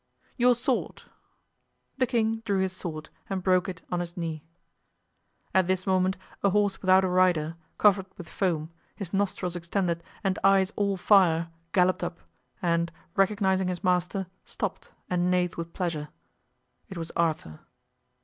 "Your sword." The king drew his sword and broke it on his knee. At this moment a horse without a rider, covered with foam, his nostrils extended and eyes all fire, galloped up, and recognizing his master, stopped and neighed with pleasure; it was Arthur.